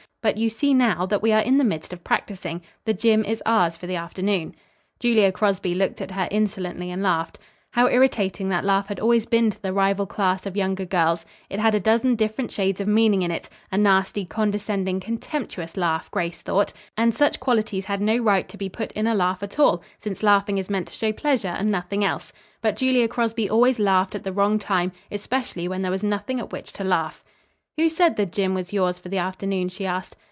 But you see, now, that we are in the midst of practising. The gym. is ours for the afternoon." Julia Crosby looked at her insolently and laughed. How irritating that laugh had always been to the rival class of younger girls. It had a dozen different shades of meaning in it a nasty, condescending contemptuous laugh, Grace thought, and such qualities had no right to be put in a laugh at all, since laughing is meant to show pleasure and nothing else. But Julia Crosby always laughed at the wrong time; especially when there was nothing at which to laugh. "Who said the gym. was yours for the afternoon?" she asked.